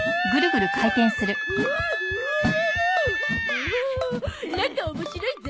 おおなんか面白いゾ。